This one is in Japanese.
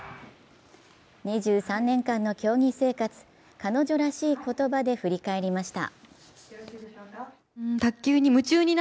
２３年間の競技生活、彼女らしい言葉で振り返りました。